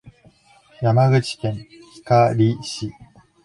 山口県光市